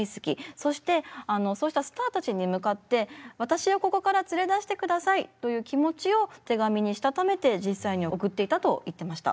そしてあのそうしたスターたちに向かって「私をここから連れ出してください」という気持ちを手紙にしたためて実際に送っていたと言ってました。